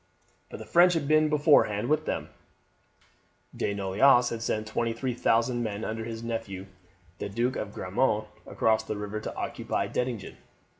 But the French had been beforehand with them. De Noailles had sent 23,000 men under his nephew the Duke de Grammont across the river to occupy Dettingen.